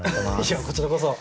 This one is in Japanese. いやこちらこそ。